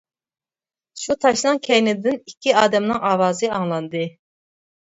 شۇ تاشنىڭ كەينىدىن ئىككى ئادەمنىڭ ئاۋازى ئاڭلاندى.